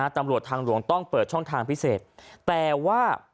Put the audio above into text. ตำรวจทางหลวงต้องเปิดช่องทางพิเศษแต่ว่า